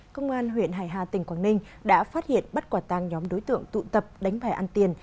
công an huyện hải hà tỉnh quảng ninh đã phát hiện bắt quả tàng nhóm đối tượng tụ tập đánh bài ăn tiền